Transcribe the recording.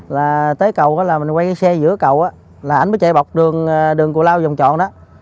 là tới cầu đó là mình quay cái xe giữa cầu á là ảnh mới chạy bọc đường cù lao vòng tròn đó